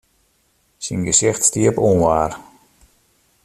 Syn gesicht stie op ûnwaar.